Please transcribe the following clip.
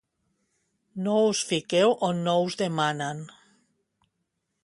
No us fiqueu on no us demanen.